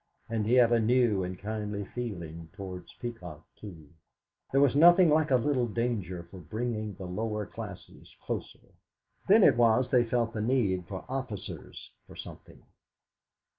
And he had a new and kindly feeling towards Peacock, too. There was nothing like a little danger for bringing the lower classes closer; then it was they felt the need for officers, for something!